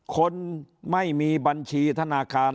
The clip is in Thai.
คนไม่มีบัญชีธนาคาร